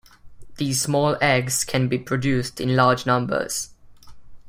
These small eggs can be produced in large numbers.